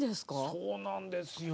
そうなんですよ。